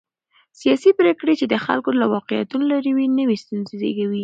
سیاسي پرېکړې چې د خلکو له واقعيتونو لرې وي، نوې ستونزې زېږوي.